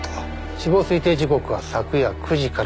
死亡推定時刻は昨夜９時から１１時ごろ。